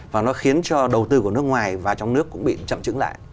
và nó khiến cho đầu tư của nước ngoài và trong nước cũng bị chậm chứng lại